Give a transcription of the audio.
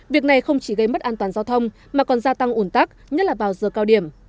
việc này không chỉ gây mất an toàn giao thông mà còn gia tăng ủn tắc nhất là vào giờ cao điểm